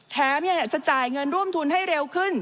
อยากจะจ่ายเงินร่วมทุนให้เร็วขึ้น